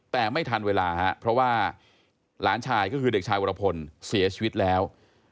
แต่ไม่ทันเวลาครับเพราะว่าหลานชายก็คือเด็กชายวรพลเสียชีวิตแล้ว